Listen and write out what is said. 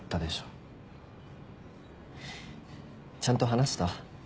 ちゃんと話せた？